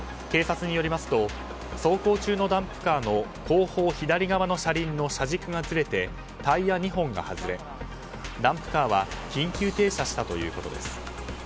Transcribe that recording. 警察によりますと走行中のダンプカーの後方左側の車輪の車軸がずれてタイヤ２本が外れ、ダンプカーは緊急停車したということです。